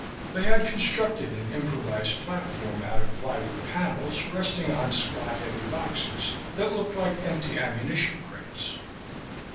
They had constructed an improvised platform out of plywood panels resting on squat, heavy boxes that looked like empty ammunition crates.